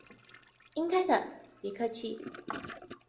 應該的，別客氣！